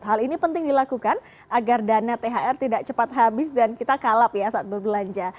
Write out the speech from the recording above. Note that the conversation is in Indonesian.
hal ini penting dilakukan agar dana thr tidak cepat habis dan kita kalap ya saat berbelanja